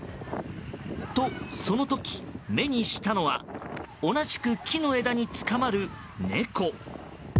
と、その時、目にしたのは同じく木の枝につかまる猫。